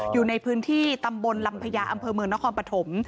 อยู่ในพื้นที่ตำบลลำพญาอำเภอเมืองนครปฐม